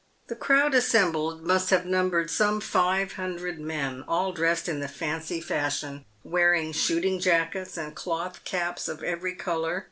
The crowd assembled must have numbered some five hundred men, all dressed in the fancy fashion, wearing shooting jackets and cloth caps of every colour.